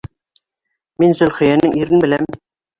Мин Зөлхиәнең ирен беләм...